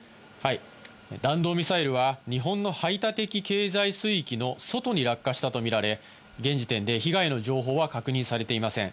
弾道ミサイルは日本の排他的経済水域の外に落下したとみられ、現時点で被害の情報は確認されていません。